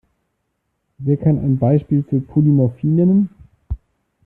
Wer kann ein Beispiel für Polymorphie nennen?